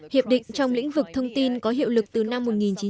hiệp định trong lĩnh vực thông tin có hiệu lực từ năm một nghìn chín trăm chín mươi tám